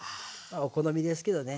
お好みですけどね。